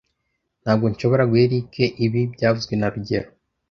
Ntabwo nshobora guha Eric ibi byavuzwe na rugero